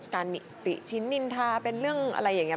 ติชิ้นนินทาเป็นเรื่องอะไรอย่างนี้